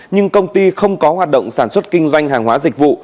nhưng công ty không có hoạt động sản xuất kinh doanh hàng hóa dịch vụ